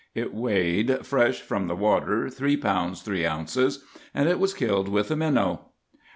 It weighed, fresh from the water, three pounds three ounces, and it was killed with a minnow.